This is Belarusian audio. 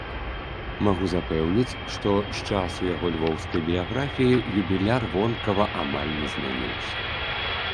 Магу запэўніць, што з часу яго львоўскай біяграфіі юбіляр вонкава амаль не змяніўся.